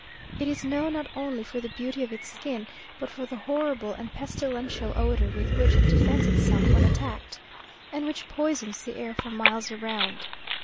It is known not only for the beauty of its skin, but for the horrible and pestilential odour with which it defends itself when attacked, and which poisons the air for miles around.